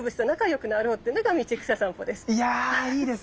でいやいいです。